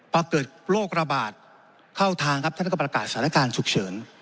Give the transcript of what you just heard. พอเกิดโรคระบาดเข้าทางครับท่านก็ประกาศสถานการณ์ฉุกเฉิน